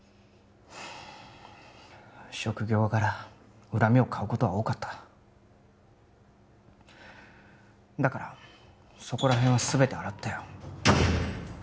職業柄恨みを買うことは多かっただからそこらへんは全て洗ったよ